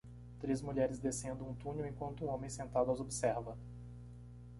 Três mulheres descendo um túnel enquanto um homem sentado as observa.